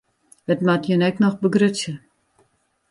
It moat jin ek noch begrutsje.